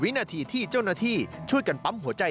วินาทีที่เจ้าหน้าที่ช่วยกันปั๊มหัวใจ